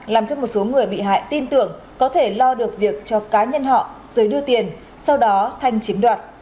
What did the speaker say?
làm cho một số người bị hại tin tưởng có thể lo được việc cho cá nhân họ rồi đưa tiền sau đó thanh chiếm đoạt